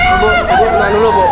ibu tenang dulu bu